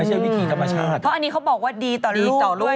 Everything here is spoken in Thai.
เพราะอันนี้เขาบอกว่าดีต่อลูกด้วย